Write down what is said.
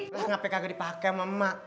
lah ngapain kagak dipake sama emak